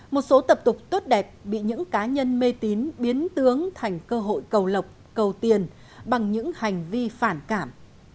một số tập tục tốt đẹp bị những cá nhân mê tín biến tướng thành cơ hội cầu lộc cầu tiền bằng những hành vi phản cảm